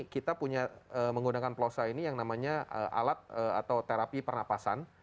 kita punya menggunakan plosa ini yang namanya alat atau terapi pernapasan